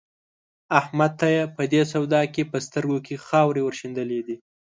احمد ته يې په دې سودا کې په سترګو کې خاورې ور شيندلې دي.